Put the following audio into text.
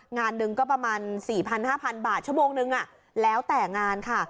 งานหนึ่งก็ประมาณ๔๐๐๕๐๐บาทชั่วโมงนึงแล้วแต่งานค่ะ